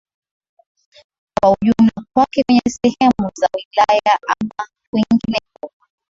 kwa ujumla kwenye kwenye sehemu za wilaya ama kwingineko